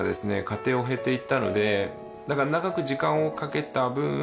過程を経ていったので長く時間をかけた分